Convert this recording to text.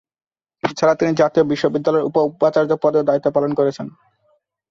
এছাড়া তিনি জাতীয় বিশ্ববিদ্যালয়ের উপ-উপাচার্য পদেও দায়িত্ব পালন করেছেন।